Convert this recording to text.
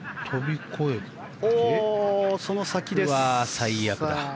最悪だ。